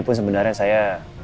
ini pun sebenarnya saya